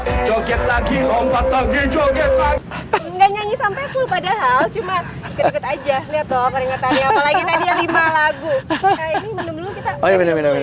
ini belum dulu kita